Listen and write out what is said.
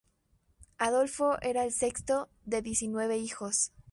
Adolfo era el sexto de diecinueve hijos.